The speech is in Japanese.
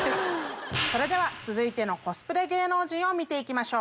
それでは続いてのコスプレ芸能人見て行きましょう。